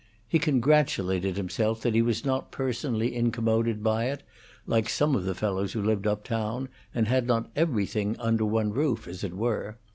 He congratulated himself that he was not personally incommoded by it, like some of the fellows who lived uptown, and had not everything under one roof, as it were.